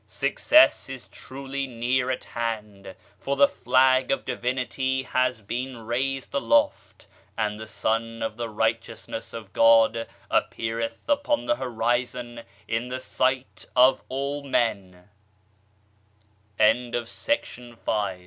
Success is truly near at hand, for the Flag of Divinity has been raised aloft, and the Sun of the Righteousness of God appeareth upon the horizon in the sig